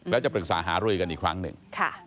แล้วจะปรึกษาหารือกันอีกครั้งหนึ่ง